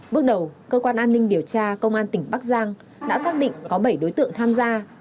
bước đầu cơ quan an ninh điều tra công an tỉnh bắc giang đã xác định có bảy đối tượng tham gia